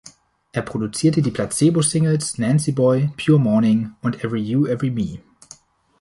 Er produzierte die Placebo-Singles „Nancy Boy“, „Pure Morning“ und „Every You Every Me“.